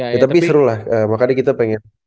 ya tapi seru lah makanya kita pengen